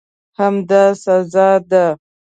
همدا سزا ده.